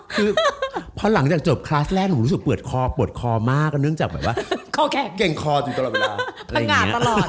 คือหลังจากจบคลาสแรกผมรู้สึกเปืดคอเป็นคอมากเนื่องจากเคร่งคออยู่ตลอดเวลาปรังงาตลอด